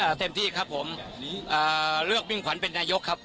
เต็มที่ครับผมอ่าเลือกมิ่งขวัญเป็นนายกครับ